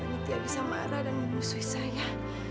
dan tidak bisa marah dan memusuhi saya